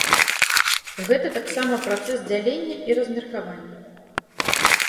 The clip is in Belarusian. Гэта таксама працэс дзялення і размеркавання.